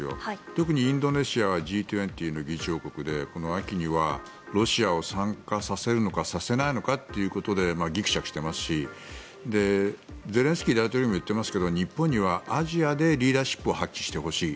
特にインドネシアはＧ２０の議長国でこの秋にはロシアを参加させるのかさせないのかってことでぎくしゃくしていますしゼレンスキー大統領も言っていますけど日本にはアジアでリーダーシップを発揮してほしい。